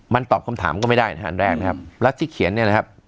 มันตอบคำถามก็ไม่ได้นะฮะอันแรกนะครับรัฐที่เขียนเนี่ยนะครับ